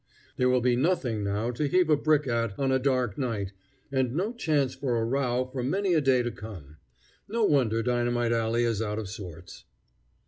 There will be nothing now to heave a brick at on a dark night, and no chance for a row for many a day to come. No wonder Dynamite Alley is out of sorts.